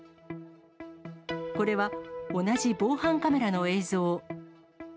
これは同じ防犯カメラの映像。